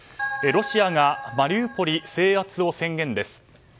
ロシアがマリウポリ制圧を宣言です。